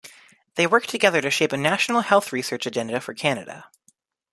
They work together to shape a national health research agenda for Canada.